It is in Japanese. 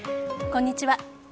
こんにちは。